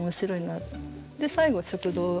で最後は食堂。